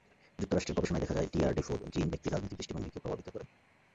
যুক্তরাষ্ট্রের গবেষণায় দেখা যায়, ডিআরডিফোর জিন ব্যক্তির রাজনৈতিক দৃষ্টিভঙ্গিকে প্রভাবিত করে।